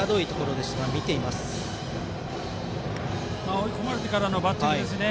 追い込まれてからのバッティングですね。